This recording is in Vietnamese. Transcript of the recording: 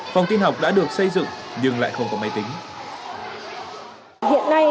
phòng tin học đã được xây dựng nhưng lại không có máy tính